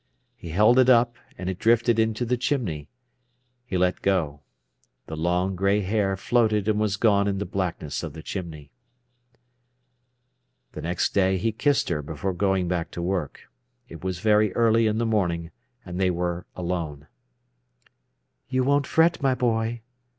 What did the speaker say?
He held it up, and it drifted into the chimney. He let go. The long grey hair floated and was gone in the blackness of the chimney. The next day he kissed her before going back to work. It was very early in the morning, and they were alone. "You won't fret, my boy!"